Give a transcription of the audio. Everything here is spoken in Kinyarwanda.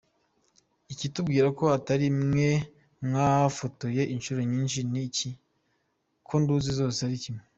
Ikitubwira ko atari imwe mwafotoye inshuro nyinshi ni iki? ko nduzi zose ari kimwe.